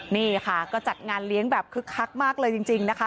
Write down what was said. นี่ค่ะก็จัดงานเลี้ยงแบบคึกคักมากเลยจริงนะคะ